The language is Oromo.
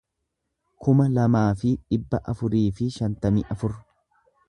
kuma lamaa fi dhibba afurii fi shantamii afur